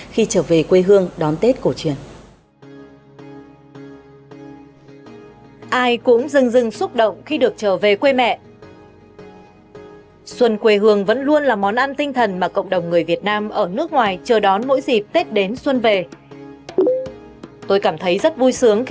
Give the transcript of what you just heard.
khi trở về quê hương đón tết cổ truyền